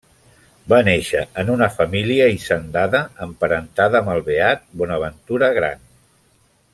Va néixer en una família hisendada emparentada amb el beat Bonaventura Gran.